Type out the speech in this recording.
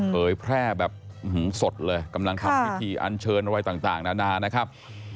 เผยแพร่แบบสดเลยกำลังทำพิธีอันเชิญอะไรต่างนานานะครับ